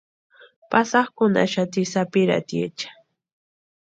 Pasakʼunhaxati sapiratiecha.